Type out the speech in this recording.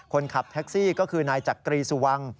คนขับแท็กซี่ก็คือนายจักรีสุวรรณ